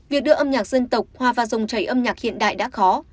việc đưa âm nhạc dân tộc hoa và dòng chảy âm nhạc hiện đại đã khó